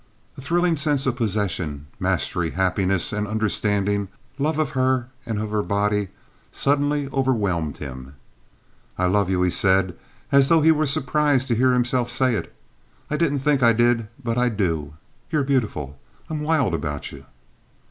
A thrilling sense of possession, mastery, happiness and understanding, love of her and of her body, suddenly overwhelmed him. "I love you," he said, as though he were surprised to hear himself say it. "I didn't think I did, but I do. You're beautiful. I'm wild about you."